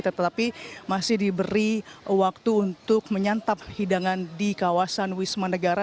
tetapi masih diberi waktu untuk menyantap hidangan di kawasan wisma negara